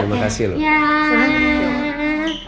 terima kasih loh